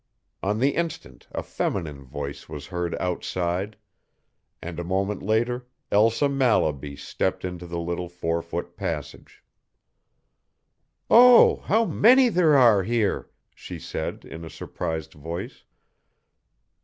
On the instant a feminine voice was heard outside, and a moment later Elsa Mallaby stepped into the little four foot passage. "Oh, how many there are here!" she said in a surprised voice.